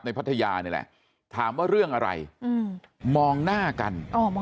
พัทยานี่แหละถามว่าเรื่องอะไรมองหน้ากัน